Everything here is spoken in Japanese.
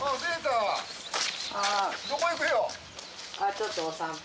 ちょっとお散歩。